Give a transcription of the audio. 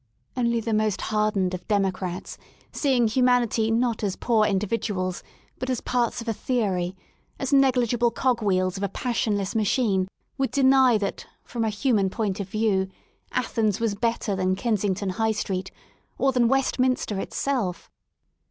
Only the most hardened of Democrats, seeing humanity not as poor individuals but as parts of a theory, as negligible cog wheels of a passionless machine, would deny that, from a human point of view Athens was better than Kensington High Street, or than Westminster itself.